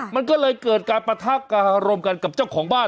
มันก็เลยเกิดการปะทะการรมกันกับเจ้าของบ้าน